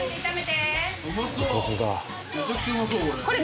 めちゃくちゃうまそうこれ。